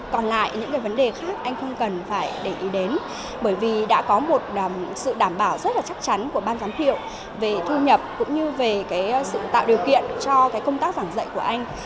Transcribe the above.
còn lại những cái vấn đề khác anh không cần phải để ý đến bởi vì đã có một sự đảm bảo rất là chắc chắn của ban giám hiệu về thu nhập cũng như về sự tạo điều kiện cho công tác giảng dạy của anh